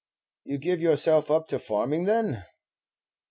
"You give yourself up to farming, then?"